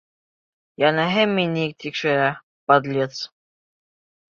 Йәнәһе, мине тикшерә, подлец!